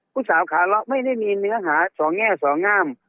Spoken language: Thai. ผู้สาวขาเลาะไม่ได้มีเนื้อหาสองแง่สองงาม